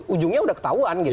ujungnya udah ketahuan gitu